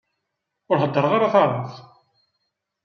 Ur heddreɣ ara taɛrabt.